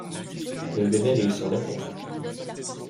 Elle devait réussir le test.